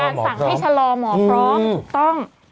สั่งให้ชะลอหมอพร้อมถูกต้อง